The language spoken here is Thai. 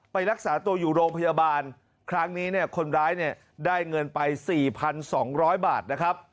ไปรักษาตัวอยู่โรงพยาบาลครั้งนี้เนี่ยคนร้ายเนี่ยได้เงินไป๔๒๐๐บาทนะครับ